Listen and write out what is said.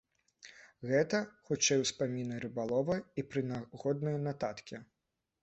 Гэта хутчэй успаміны рыбалова і прынагодныя нататкі.